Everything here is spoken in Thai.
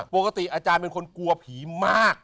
ปกติอาจารย์เป็นคนกลัวผีมาก